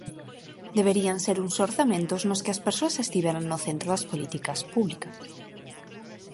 Deberían ser uns orzamentos nos que as persoas estiveran no centro das políticas públicas.